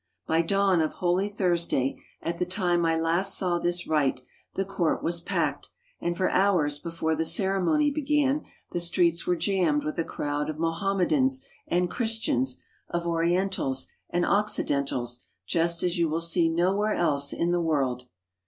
By dawn of Holy Thursday, at the time I last saw this rite, the court was packed, and for hours before the ceremony began the streets were jammed with a crowd of Mohammedans and Christians, of Orientals and Oc cidentals, such as you will see nowhere else in the world.